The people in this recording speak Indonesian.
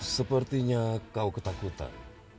sepertinya kau ketakutan